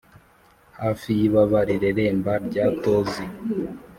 'hafi y'ibaba rireremba rya tozi